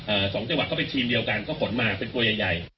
สองจังหวัดก็เป็นทีมเดียวกันก็ขนมาเป็นตัวใหญ่ใหญ่